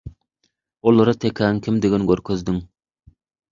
Olara tekäň kimdigini görkezdiň.